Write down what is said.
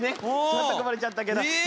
ちょっとこぼれちゃったけど。